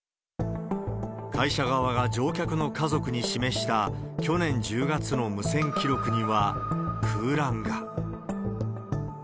会社側が乗客の家族に示した去年１０月の無線記録には、空欄が。